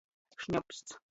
Šņopsts.